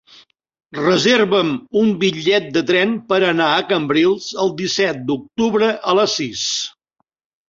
Reserva'm un bitllet de tren per anar a Cambrils el disset d'octubre a les sis.